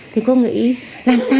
thì cô nghĩ làm sao để khởi lên